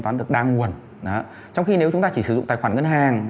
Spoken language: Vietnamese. trong khi nếu chúng ta chỉ sử dụng tài khoản ngân hàng